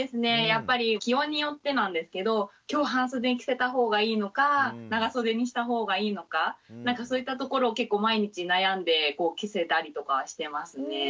やっぱり気温によってなんですけど今日半袖着せた方がいいのか長袖にした方がいいのかそういったところを結構毎日悩んで着せたりとかはしてますね。